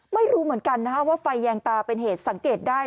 ไม่รู้เหมือนกันว่าไฟแยงตาเป็นเหตุสังเกตได้